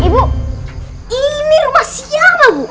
ibu ini rumah siapa bu